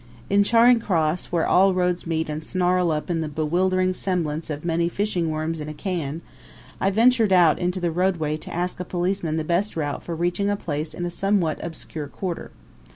In Charing Cross, where all roads meet and snarl up in the bewildering semblance of many fishing worms in a can, I ventured out into the roadway to ask a policeman the best route for reaching a place in a somewhat obscure quarter.